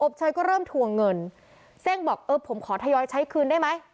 เชยก็เริ่มทวงเงินเส้งบอกเออผมขอทยอยใช้คืนได้ไหม